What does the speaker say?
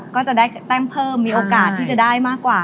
ก็จะได้แต้มเพิ่มมีโอกาสที่จะได้มากกว่า